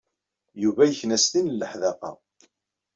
Yuba yekna s tin n leḥdaqa.